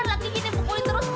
lagi gini pokoknya terus po